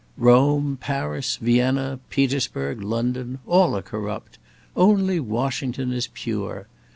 Rome, Paris, Vienna, Petersburg, London, all are corrupt; only Washington is pure!